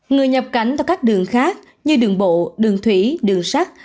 người nhập cảnh từ các đường khác như đường bộ đường thủy đường sắt